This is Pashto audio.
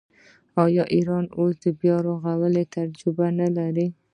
آیا ایران اوس د بیارغونې تجربه نلري؟